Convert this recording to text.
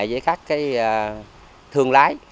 với các cái thương lái